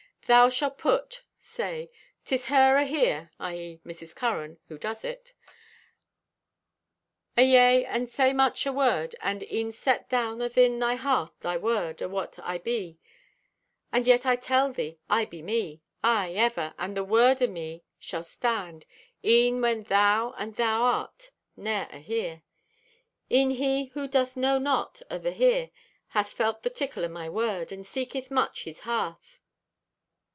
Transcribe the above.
Thou shalt put (say) 'tis her ahere (i.e., Mrs. Curran, who does it); ayea, and say much o' word, and e'en set down athin thy heart thy word o' what I be, and yet I tell thee, I be me! Aye, ever, and the word o' me shall stand, e'en when thou and thou art ne'er ahere! "E'en he who doth know not o' the Here hath felt the tickle o' my word, and seeketh much this hearth.